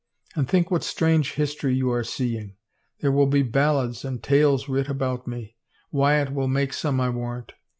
And think what strange history you are seeing! There will be ballads and tales writ about me — Wyatt will make some, I warrant.